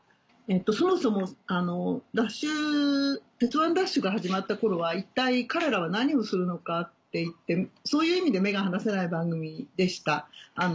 そもそも『鉄腕！ＤＡＳＨ‼』が始まった頃は一体彼らは何をするのかっていってそういう意味で目が離せない番組でした。